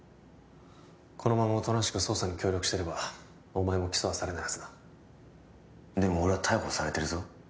このままおとなしく捜査に協力してればお前も起訴はされないはずだでも俺は逮捕されてるぞ？